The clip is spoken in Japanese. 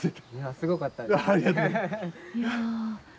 すごかったです。